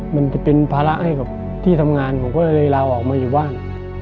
มันจะเป็นภาระให้กับที่ทำงานผมก็เลยลาออกมาอยู่บ้าน